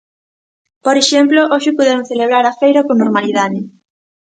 Por exemplo, hoxe puideron celebrar a feira con normalidade.